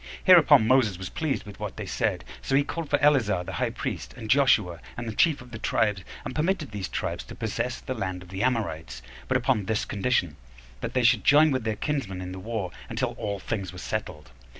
Hereupon Moses was pleased with what they said; so he called for Eleazar the high priest, and Joshua, and the chief of the tribes, and permitted these tribes to possess the land of the Amorites; but upon this condition, that they should join with their kinsmen in the war until all things were settled.